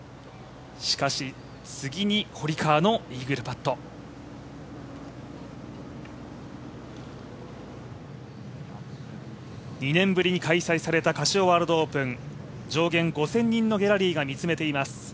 しかし、次に堀川のイーグルパット２年ぶりに開催されたカシオワールドオープン、上限５０００人のギャラリーが見つめています。